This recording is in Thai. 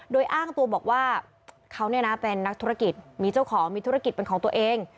โดยอ้างตัวบอกว่าเขาเป็นนักธุรกิจมีเจ้าของมีธุรกิจเป็นของตัวเอง